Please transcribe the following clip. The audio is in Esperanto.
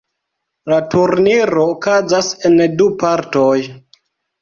La turniro okazas en du partoj.